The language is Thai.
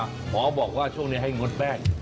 หมอบอกว่าช่วงนี้ให้งดแป้ง